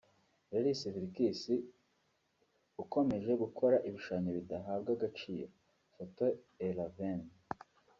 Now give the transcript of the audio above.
Lars Vilks ukomeje gukora ibishushanyo bidahabwa agaciro (Foto eraven)